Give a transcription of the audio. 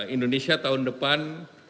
indonesia tahun depan